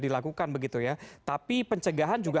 dilakukan begitu ya tapi pencegahan juga